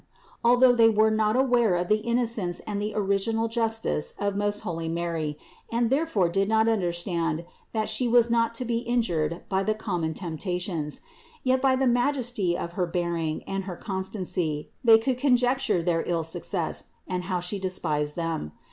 Although they were not aware of the innocence and the original justice of most holy Mary and therefore did not understand that She was not to be injured by the common temptations; yet by the Majesty of her bearing and her constancy they could conjecture their ill success and how She despised them.